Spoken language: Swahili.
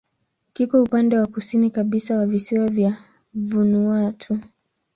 Kiko upande wa kusini kabisa wa visiwa vya Vanuatu.